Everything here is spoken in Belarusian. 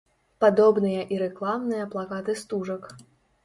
Падобныя і рэкламныя плакаты стужак.